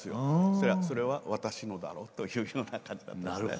そしたら「それは『私の』だろう」というような感じだったですね。